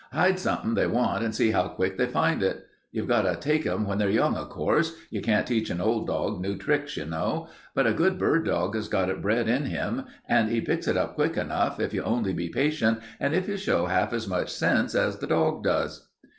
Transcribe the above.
Hide something they want and see how quick they find it. You've got to take 'em when they're young, of course. You can't teach an old dog new tricks, you know. But a good bird dog has got it bred in him, and he picks it up quick enough if you can only be patient and if you show half as much sense as the dog does."